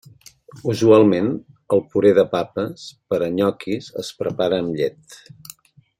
Usualment el puré de papes per a nyoquis es prepara amb llet.